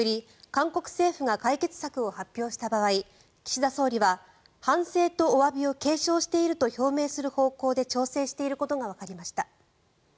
韓国政府が解決策を発表した場合岸田総理は反省とおわびを継承していると表明する方向で調整していることがわかりました。